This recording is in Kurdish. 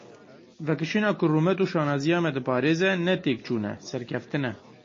Vekişîna ku rûmet û şanaziya me diparêze, ne têkçûn e, serkeftin e.